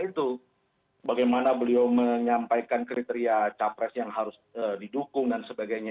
itu bagaimana beliau menyampaikan kriteria capres yang harus didukung dan sebagainya